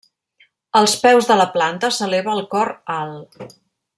Als peus de la planta s'eleva el cor alt.